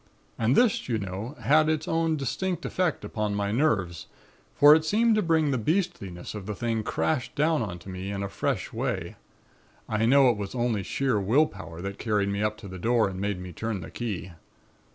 And this, you know, had its own distinct effect upon my nerves, for it seemed to bring the beastliness of the thing crashing down on to me in a fresh way. I know it was only sheer will power that carried me up to the door and made me turn the key.